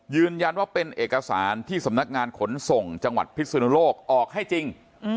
ยืนยันว่าเป็นเอกสารที่สำนักงานขนส่งจังหวัดพิศนุโลกออกให้จริง